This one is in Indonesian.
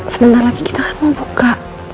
sebentar lagi kita kan mau buka